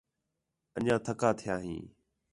انڄیاں تَھکا تھیاں ہیں